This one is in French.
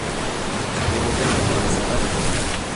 Mais Robert n'apparaissait pas davantage.